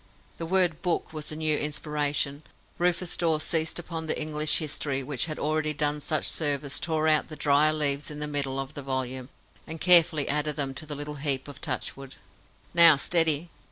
The word "book" was a new inspiration. Rufus Dawes seized upon the English History, which had already done such service, tore out the drier leaves in the middle of the volume, and carefully added them to the little heap of touchwood. "Now, steady!"